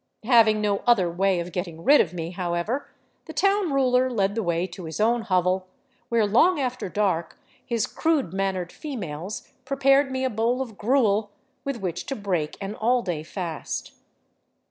Having no other way of getting rid of me, however, the town ruler led the way to his own hovel, where long after dark his crude mannered females prepared me a bowl of gruel with which to break an all day fast.